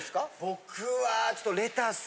僕は。